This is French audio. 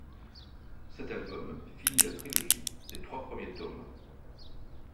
Cet album finit la trilogie des trois premiers tomes.